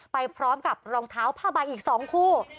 ไปพร้อมกับรองเท้าผ้าใบอีก๒คู่